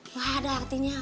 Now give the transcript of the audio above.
nggak ada artinya